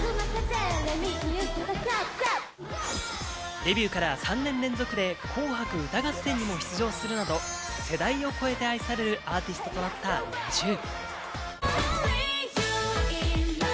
デビューから３年連続で『紅白歌合戦』にも出場するなど、世代を超えて愛されるアーティストとなったＮｉｚｉＵ。